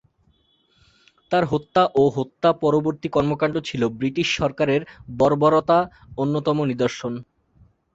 তার হত্যা ও হত্যা পরবর্তী কর্মকাণ্ড ছিল ব্রিটিশ সরকারের বর্বরতার অন্যতম নিদর্শন।